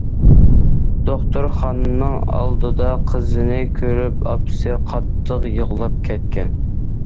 دوختۇرخانىنىڭ ئالدىدا قىزىنى كۆرۈپ ئاپىسى قاتتىق يىغلاپ كەتكەن.